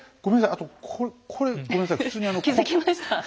あとこれごめんなさい普通に。気付きました？